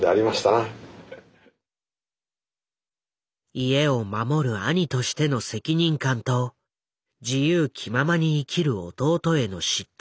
家を守る兄としての責任感と自由気ままに生きる弟への嫉妬。